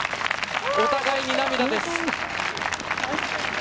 お互いに涙です。